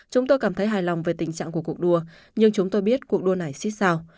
chúng tôi cảm thấy hài lòng về tình trạng của cuộc đua nhưng chúng tôi biết cuộc đua này xích sao